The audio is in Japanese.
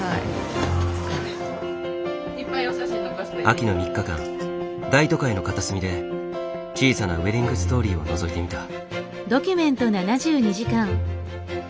秋の３日間大都会の片隅で小さなウエディングストーリーをのぞいてみた。